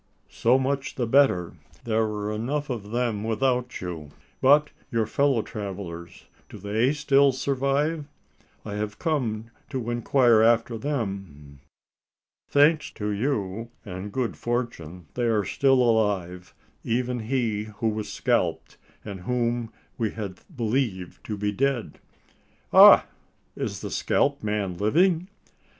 "So much the better there were enough of them without you. But your fellow travellers? Do they still survive? I have come to inquire after them." "Thanks to you and good fortune, they are still alive even he who was scalped, and whom we had believed to be dead." "Ah! is the scalped man living?"